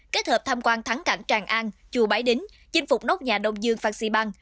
kết hợp tham quan thắng cảng tràng an chùa bái đính chinh phục nóc nhà đông dương phan xì băng